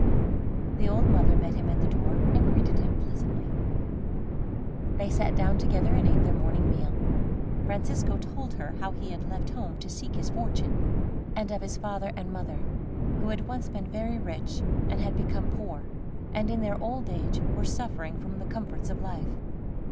The old mother met him at the door, and greeted him pleasantly. They sat down together and ate their morning meal. Francisco told her how he had left home to seek his fortune, and of his father and mother, who had once been very rich, and had become poor, and in their old age were suffering for the comforts of life.